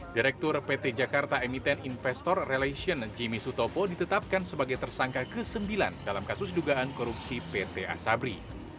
direktur pt jakarta emiten investor relation jimmy sutopo ditetapkan sebagai tersangka ke sembilan dalam kasus dugaan korupsi pt asabri